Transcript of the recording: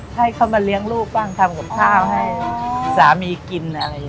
ให้เขามาเลี้ยงลูกบ้างทำกับข้าวให้สามีกินอะไรอย่างนี้